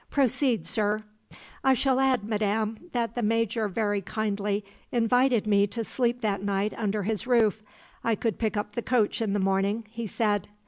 "Proceed, sir." "I shall add, madam, that the Major very kindly invited me to sleep that night under his roof. I could pick up the coach in the morning (he said).